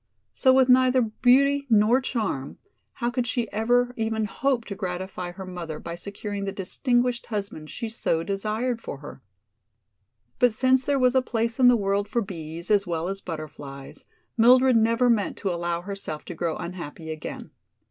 So with neither beauty nor charm, how could she ever even hope to gratify her mother by securing the distinguished husband she so desired for her? But since there was a place in the world for bees as well as butterflies, Mildred never meant to allow herself to grow unhappy again.